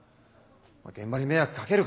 現場に迷惑かけるから。